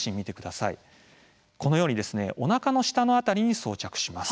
このようにおなかの下の辺りに装着します。